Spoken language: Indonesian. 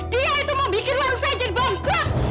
dia itu mau bikin warung saya jadi bongkok